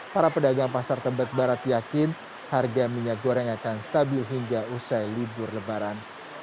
para pedagang pasar tebet barat yakin harga minyak goreng akan stabil hingga usai libur lebaran